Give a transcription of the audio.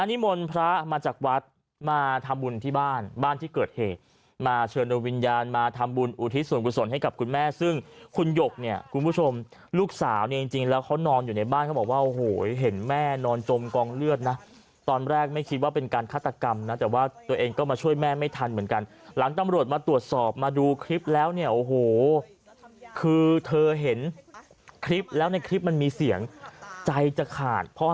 นานิมนต์พระมาจากวัดมาทำบุญที่บ้านบ้านที่เกิดเหตุมาเชิญลงวิญญาณมาทำบุญอุทิศส่วนกุศลให้กับคุณแม่ซึ่งคุณหยกเนี่ยคุณผู้ชมลูกสาวเนี่ยจริงแล้วเขานอนอยู่ในบ้านเขาบอกว่าโอ้โหเห็นแม่นอนจมกองเลือดนะตอนแรกไม่คิดว่าเป็นการฆาตกรรมนะแต่ว่าตัวเองก็มาช่วยแม่ไม่ทันเหมือนกันหลังตำ